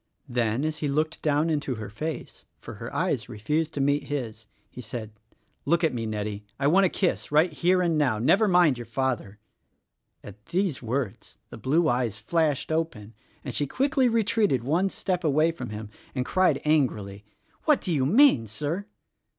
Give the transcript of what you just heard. Then, as he looked down into 12 THE RECORDING ANGEL her face, (for her eyes refused to meet his), he said "Look at me, Nettie. I want a kiss — right here and now. Never mind your father!" At these words the blue eyes flashed open, and she quickly retreated one step away from him, and cried angrily, "What do you mean, Sir?"